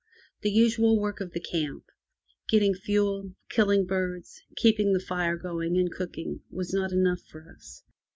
The usual work of the camp — getting fuel, killing birds, keeping the fire going, and cooking — was not enough for us.